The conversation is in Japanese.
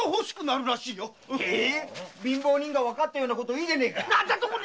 貧乏人がわかったようなこと言うなって！